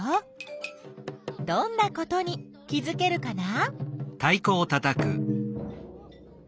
どんなことに気づけるかな？